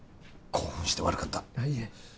興奮して悪かったいえ